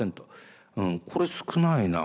これ少ないな。